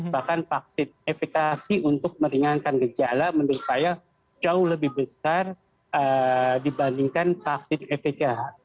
bahkan vaksinifikasi untuk meringankan gejala menurut saya jauh lebih besar dibandingkan vaksin efektif